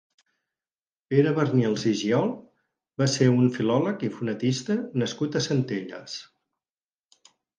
Pere Barnils i Giol va ser un filòleg i fonetista nascut a Centelles.